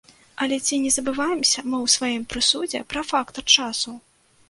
Але ці не забываемся мы ў сваім прысудзе пра фактар часу?